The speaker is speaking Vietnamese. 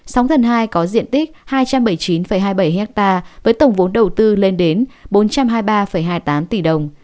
sóng thần hai có diện tích hai trăm bảy mươi chín hai mươi bảy ha với tổng vốn đầu tư lên đến bốn trăm hai mươi ba hai mươi tám tỷ đồng